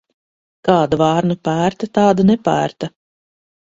Kāda vārna pērta, tāda nepērta.